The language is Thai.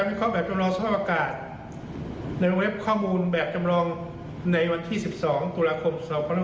ในวิทยาลัยข้อมูลแบบจำลองในวันที่๑๒ตุลาคม๒๐๒๐